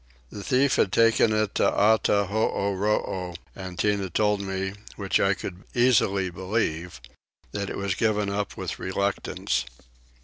The thief had taken it to Attahooroo, and Tinah told me, which I could easily believe, that it was given up with reluctance.